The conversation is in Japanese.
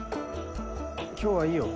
今日はいいよ。